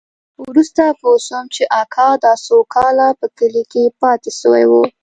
وروسته پوه سوم چې اکا دا څو کاله په کلي کښې پاته سوى و.